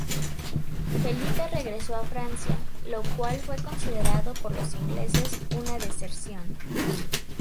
Felipe regresó a Francia, lo cual fue considerado por los ingleses una deserción.